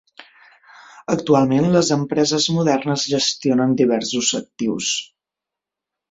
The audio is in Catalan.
Actualment, les empreses modernes gestionen diversos actius.